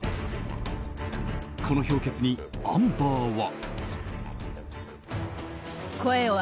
この評決にアンバーは。